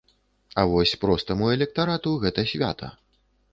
А вось простаму электарату гэта свята.